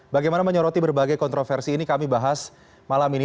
bagaimana menyoroti berbagai kontroversi ini kami bahas malam ini